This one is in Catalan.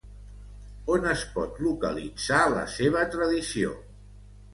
On es pot localitzar la seva tradició?